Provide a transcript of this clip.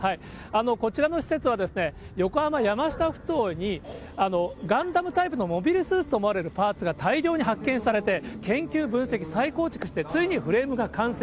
こちらの施設は横浜・山下ふ頭にガンダムタイプのモビルスーツと見られるパーツが大量に発見されて、研究、分析、再構築して、ついにフレームが完成。